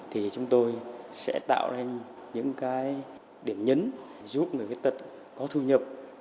thì chúng tôi sẽ tạo ra những cái điểm nhấn giúp người khuyết tật có thu nhập